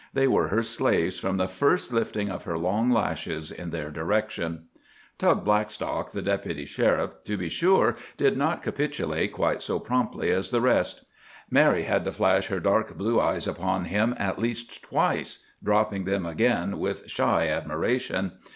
They were her slaves from the first lifting of her long lashes in their direction. Tug Blackstock, the Deputy Sheriff, to be sure, did not capitulate quite so promptly as the rest. Mary had to flash her dark blue eyes upon him at least twice, dropping them again with shy admiration.